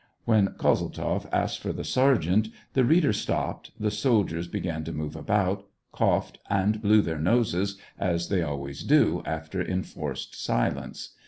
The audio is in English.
When Kozeltzoff asked for the sergeant, the reader stopped, the soldiers began to move about, coughed, and blew their noses, as they always do after enforced silence.